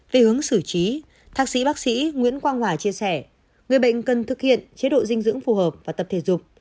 về hướng xử trí thạc sĩ bác sĩ nguyễn quang hòa chia sẻ người bệnh cần thực hiện chế độ dinh dưỡng phù hợp và tập thể dục